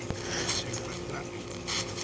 Se encuentra en